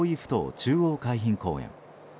中央海浜公園。